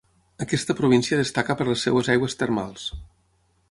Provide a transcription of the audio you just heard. Aquesta província destaca per les seves aigües termals.